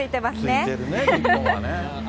ついてるね、日本はね。